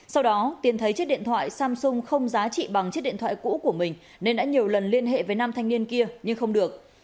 sau đó tiến thấy chiếc điện thoại samsung không giá trị bằng chiếc điện thoại cũ của mình nên đã nhiều lần liên hệ với nam thanh niên kia nhưng không được